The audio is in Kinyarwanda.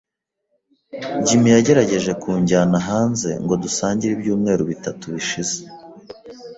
Jim yagerageje kunjyana hanze ngo dusangire ibyumweru bitatu bishize.